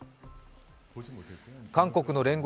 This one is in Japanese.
韓国の聯合